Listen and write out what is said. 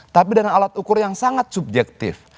tapi dengan alat ukur yang sangat subjektif